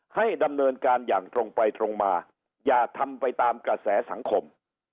ให้ดำเนินการอย่างตรงไปตรงมาอย่าทำไปตามกระแสสังคม